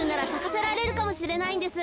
せられるかもしれないんです。